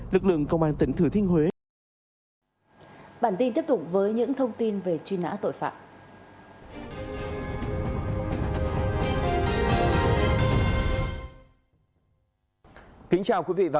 lực lượng công an tỉnh thừa thiên huế